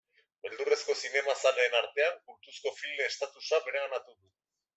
Beldurrezko zinemazaleen artean kultuzko film estatusa bereganatu du.